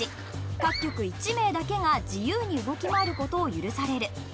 各局１名だけが自由に動き回ることを許される。